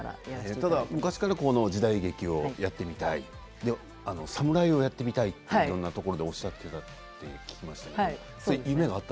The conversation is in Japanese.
ただ昔から時代劇をやってみたい侍をやってみたいといろんなところでおっしゃっていたって聞きました。